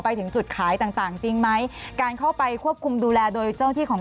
ไปถึงจุดขายต่างต่างจริงไหมการเข้าไปควบคุมดูแลโดยเจ้าที่ของ